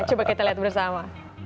coba kita lihat bersama